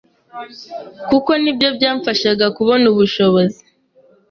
kuko ni byo byamfashaga kubona ubushobozi